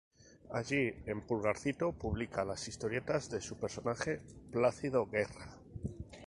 Allí, en Pulgarcito, publica las historietas de su personaje "Plácido Guerra".